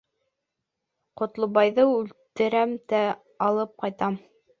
Ҡотлобайҙы үлтерәм дә алып ҡайтам!